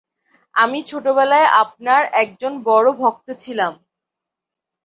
আমি ছোটবেলায় আপনার একজন বড় ভক্ত ছিলাম।